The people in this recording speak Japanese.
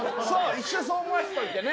一瞬そう思わせといてね。